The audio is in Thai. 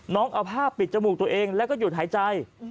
น้องเอาผ้าปิดจมูกตัวเองแล้วก็หยุดหายใจ